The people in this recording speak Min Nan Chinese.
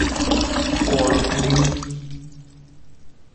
割香